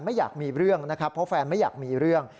ไม่อยากมีเรื่องนะครับเพราะแฟนไม่อยากมีเรื่อง